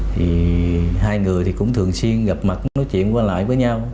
thì hai người thì cũng thường xuyên gặp mặt nói chuyện qua lại với nhau